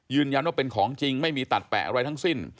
ยืนยันว่าเป็นของจริงไม่มีตัดแปะอะไรทั้งสิ้น